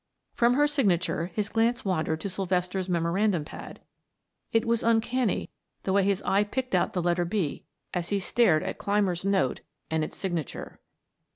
From her signature his glance wandered to Sylvester's memorandum pad; it was uncanny the way his eye picked out the letter "B" as he stared at Clymer's note and its signature.